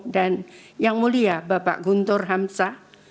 dan yang mulia bapak guntur hamsa